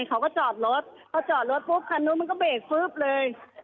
เขาก็จอดรถพอจอดรถปุ๊บคันนู้นมันก็เบรกปุ๊บเลย